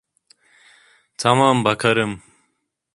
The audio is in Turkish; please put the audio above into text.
Tamam, bakarım.